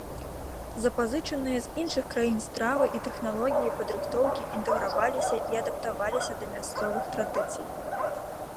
Запазычаныя з іншых краін стравы і тэхналогіі падрыхтоўкі інтэграваліся і адаптаваліся да мясцовых традыцый.